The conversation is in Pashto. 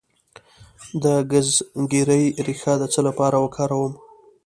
د ګزګیرې ریښه د څه لپاره وکاروم؟